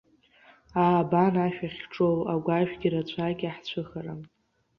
Аа, абан ашә ахьҿоу, агәашәгьы рацәак иаҳцәыхарам.